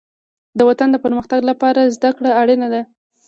د وطن د پرمختګ لپاره زدهکړه اړینه ده.